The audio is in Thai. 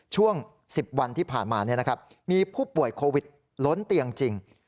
ช่วง๑๐วันที่ผ่านมามีผู้ป่วยโควิดล้นเตียงจริง